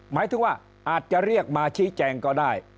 หมายถึงว่าอาจจะเรียกมาชี้แจงก็ได้